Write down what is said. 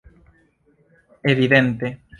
evidente